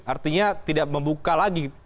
artinya tidak membuka lagi